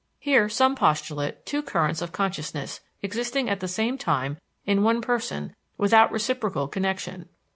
Here some postulate two currents of consciousness existing at the same time in one person without reciprocal connection.